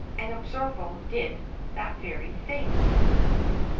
And Absorbo did that very thing.